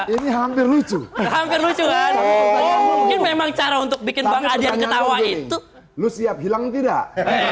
ini hampir lucu lucu memang cara untuk bikin banget dia ketawa itu lu siap hilang tidak